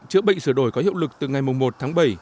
chữa bệnh sửa đổi có hiệu lực từ ngày một tháng bảy